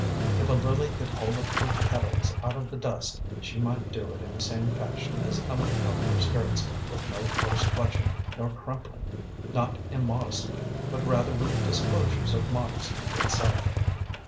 If a lily could hold up her petals out of the dust she might do it in the same fashion as Ellen held her skirts, with no coarse clutching nor crumpling, not immodestly, but rather with disclosures of modesty itself.